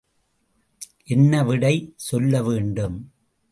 என்ன விடை சொல்லவேண்டும்?